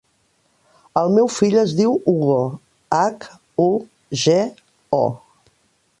El meu fill es diu Hugo: hac, u, ge, o.